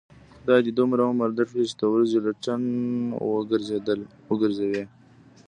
خدای دې دومره عمر در کړي، چې د ورځې لټن و گرځوې.